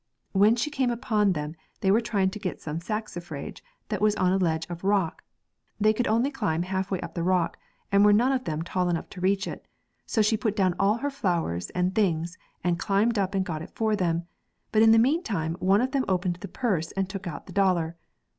When she came upon them, they were trying to get some saxifrage that was on a ledge of rock; they could only climb half way up the rock, and were none of them tall enough to reach it; so she put down all her flowers and things and climbed up and got it for them; but in the meantime one of them opened the purse and took out the dollar.